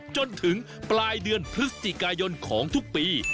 จนถึงปลายเดือนพฤศจิกายนของทุกปี